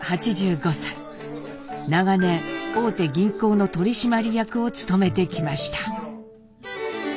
長年大手銀行の取締役を務めてきました。